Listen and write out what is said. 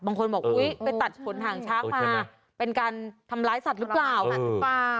บางคนบอกว่าไปตัดขนห่างชาติมาเป็นการทำร้ายสัตว์หรือเปล่า